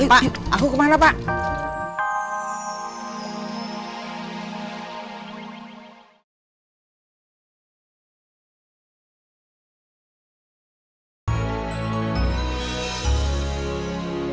pak aku kemana pak